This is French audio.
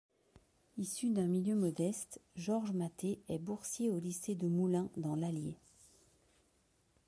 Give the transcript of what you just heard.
Issu d'un milieu modeste, Georges Mathé est boursier au lycée de Moulins dans l'Allier.